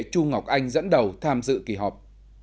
chu ngọc anh dẫn đầu tham dự kỳ họp